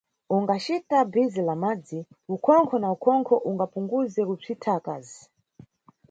Ungacita bhizi la madzi, ukhonkho na khonkho ungapunguze kusvitha akazi.